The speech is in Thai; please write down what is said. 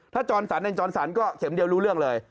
ถ้าจรสันเองจรสันก็เข็มเดียวรู้เรื่องเลย